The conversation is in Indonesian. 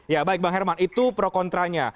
ya baik bang herman itu pro kontranya